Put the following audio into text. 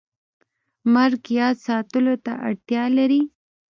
مرګ یاد ساتلو ته اړتیا لري